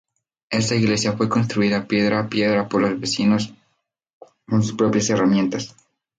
Esta iglesia fue construida piedra a piedra por los vecinos con sus propias herramientas.